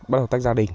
bắt đầu tách gia đình